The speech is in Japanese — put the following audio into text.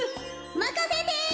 まかせて。